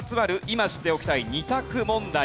今知っておきたい２択問題。